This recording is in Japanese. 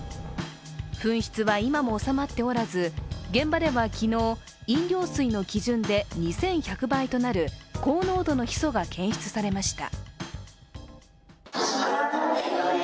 噴出は今も収まっておらず現場では昨日、飲料水の基準で２１００倍となる高濃度のヒ素が検出されました。